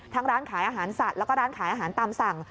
ร้านขายอาหารสัตว์แล้วก็ร้านขายอาหารตามสั่ง